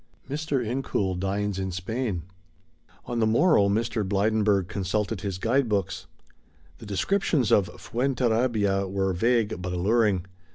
MR. INCOUL DINES IN SPAIN. On the morrow Mr. Blydenburg consulted his guide books. The descriptions of Fuenterrabia were vague but alluring.